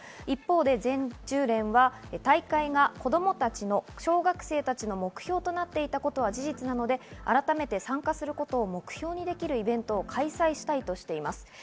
一方で全柔連は大会が子供たちの、小学生たちの目標となっていたことは事実なので改めて参加することを目標にできるイベントを開催したいとしています。